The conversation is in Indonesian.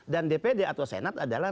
dan dpd atau senat adalah